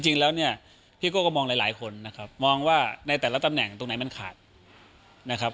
จริงแล้วเนี่ยพี่โก้ก็มองหลายคนนะครับมองว่าในแต่ละตำแหน่งตรงไหนมันขาดนะครับ